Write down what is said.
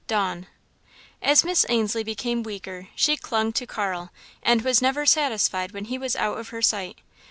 Dawn As Miss Ainslie became weaker, she clung to Carl, and was never satisfied when he was out of her sight.